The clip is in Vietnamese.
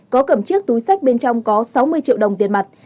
có cầm chiếc túi sách bên trong có sáu mươi triệu đồng tiền mặt